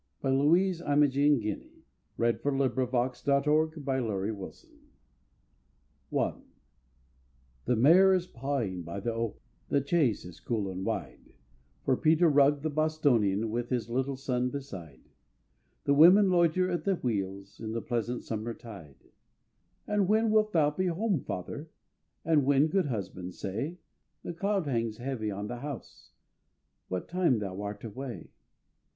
POEMS BY LOUISE IMOGEN GUINEY Peter Rugg the Bostonian I THE mare is pawing by the oak, The chaise is cool and wide For Peter Rugg the Bostonian With his little son beside; The women loiter at the wheels In the pleasant summer tide. "And when wilt thou be home, Father?" "And when, good husband, say: The cloud hangs heavy on the house What time thou art away."